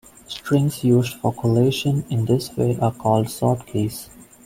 Strings used for collation in this way are called "sort keys".